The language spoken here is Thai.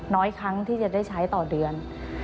น้อยครั้งที่จะได้ใช้ต่อเดือน